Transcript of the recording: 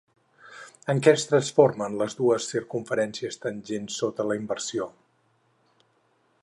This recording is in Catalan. En què es transformen les dues circumferències tangents sota la inversió?